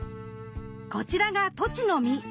こちらがトチの実。